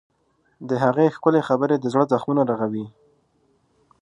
د هغې ښکلي خبرې د زړه زخمونه رغوي.